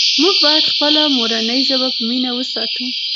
موږ باید خپله مورنۍ ژبه په مینه وساتو.